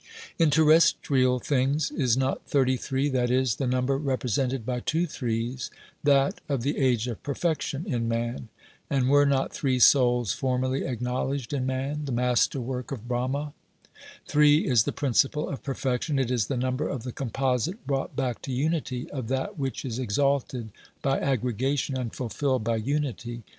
In terrestrial things, is not thirty three, that is, the number represented by two threes, that of the age of perfection in man ? And were not three souls formerly acknowledged in man, the masterwork of Brahma? Three is the principle of perfection ; it is the number of the composite brought back to unity, of that which is exalted by aggregation and fulfilled by unity.